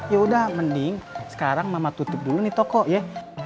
ya udah mending sekarang mama tutup dulu nih toko ya